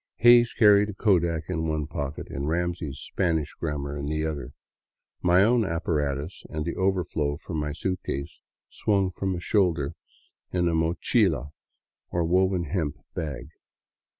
Hays carried a kodak in one pocket and Ramsey's Spanish Grammar in the other; my own apparatus and the overflow from my suitcase swung from a shoulder in a mochila, or woven hemp bag.